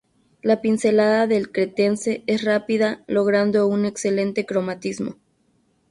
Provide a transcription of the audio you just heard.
La pincelada del cretense es rápida, logrando un excelente cromatismo.